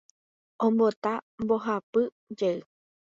Ombota mbohapy jey